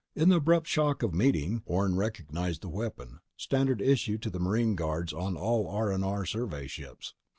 In the abrupt shock of meeting, Orne recognized the weapon: standard issue to the marine guards on all R&R survey ships.